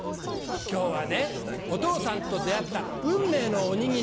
今日はねお父さんと出会った運命のおにぎりを。